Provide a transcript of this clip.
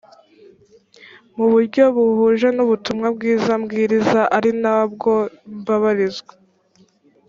mu buryo buhuje n ubutumwa bwiza mbwiriza ari na bwo mbabarizwa